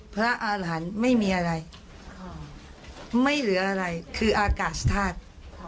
พระอาถรรพ์ไม่มีอะไรไม่เหลืออะไรคืออากาศธาตุ